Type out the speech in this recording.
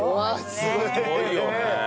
すごいよね。